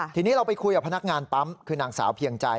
ทีนี้เราไปคุยกับพนักงานปั๊มคือนางสาวเพียงใจ